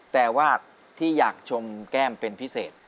แต่ว่าที่อยากชมแก้มเป็นพิเศษ